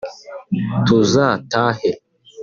tuzatahe